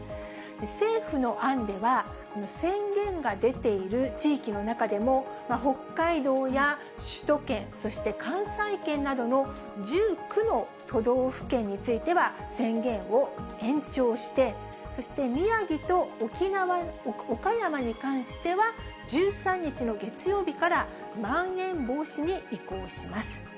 政府の案では、宣言が出ている地域の中でも、北海道や首都圏、そして関西圏などの１９の都道府県については宣言を延長して、そして宮城と岡山に関しては、１３日の月曜日からまん延防止に移行します。